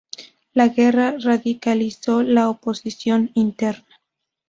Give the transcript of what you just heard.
La guerra radicalizó la oposición interna.